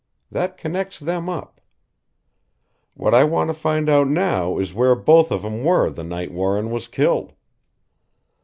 That connects them up. What I want to find out now is where both of 'em were the night Warren was killed.